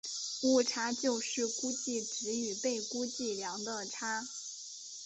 误差就是估计值与被估计量的差。